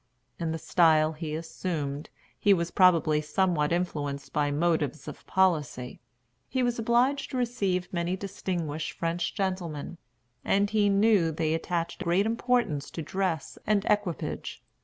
In the style he assumed he was probably somewhat influenced by motives of policy. He was obliged to receive many distinguished French gentlemen, and he knew they attached great importance to dress and equipage.